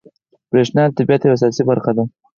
بریښنا د طبیعت یوه اساسي برخه ده